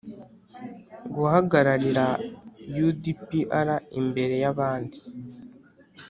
Guhagararira U D P R imbere y abandi